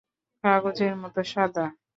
কাগজের মতো সাদা?